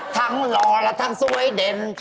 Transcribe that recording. หล่อและทั้งสวยเด่น